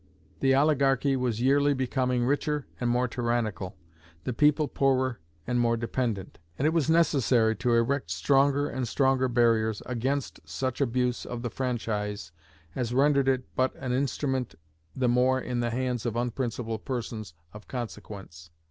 The oligarchy was yearly becoming richer and more tyrannical, the people poorer and more dependent, and it was necessary to erect stronger and stronger barriers against such abuse of the franchise as rendered it but an instrument the more in the hands of unprincipled persons of consequence.